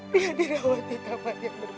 dia dirawat di taman yang berbeda